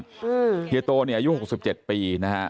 ว่าเฮียโตนี่อายุ๖๗ปีนะค่ะ